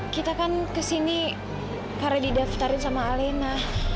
kita kan ke sini karena didaftarin sama alena